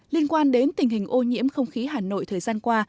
liên quan đến tình hình ô nhiễm không khí hà nội thời gian qua